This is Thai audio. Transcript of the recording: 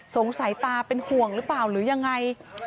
สงสัยตาเป็นห่วงหรือเปล่าหรือยังไง